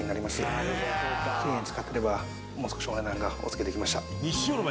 丁寧に使ってればもう少しお値段がおつけできました。